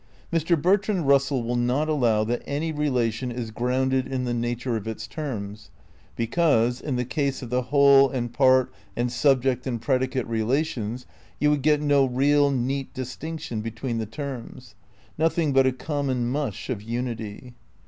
Mr. Bertrand Russell will not allow that any rela tion is '' grounded in the nature of its terms, '' because, in the case of the whole and part and subject and predi cate relations you would get no real, neat distinction between the terms, nothing but a common mush of unity.